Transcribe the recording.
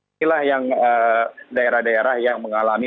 inilah yang daerah daerah yang mengalami